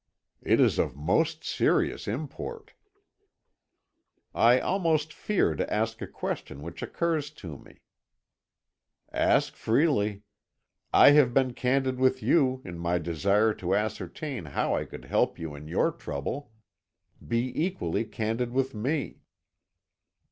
"It is of most serious import." "I almost fear to ask a question which occurs to me." "Ask freely. I have been candid with you, in my desire to ascertain how I could help you in your trouble. Be equally candid with me."